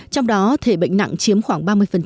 trong đó thể bệnh nặng chiếm khoảng ba mươi